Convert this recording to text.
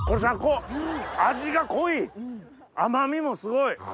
味が濃い甘みもすごい。